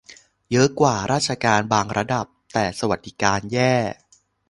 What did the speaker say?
เยอะกว่าราชการบางระดับ แต่สวัสดิการแย่